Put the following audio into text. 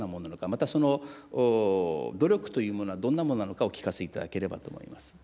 また、その努力というものはどんなものなのか、お聞かせいただければと思います。